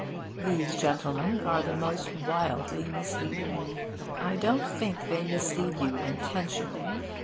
These gentlemen are most wildly misleading. I don't think they mislead you intentionally.